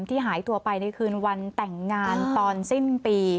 หายตัวไปในคืนวันแต่งงานตอนสิ้นปี